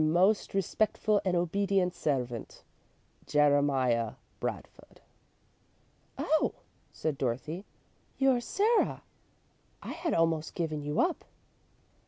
most respectful and obedient servant, "Jeremiah Bradford. "Oh," said Dorothy, "you're Sarah. I had almost given you up."